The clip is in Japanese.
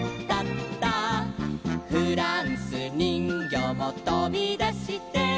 「フランスにんぎょうもとびだして」